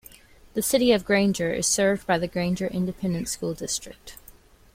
The City of Granger is served by the Granger Independent School District.